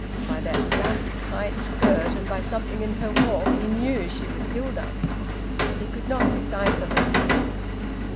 By that black, tight skirt and by something in her walk he knew she was Hilda; he could not decipher her features.